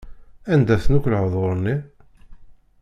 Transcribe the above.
Anda-ten akk lehduṛ-nni.